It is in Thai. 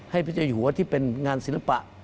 พระเจ้าอยู่หัวที่เป็นงานศิลปะ